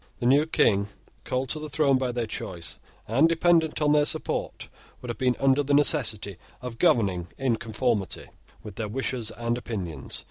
The new King, called to the throne by their choice, and dependent on their support, would have been under the necessity of governing in conformity with their wishes and opinions.